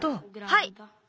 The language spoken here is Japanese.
はい！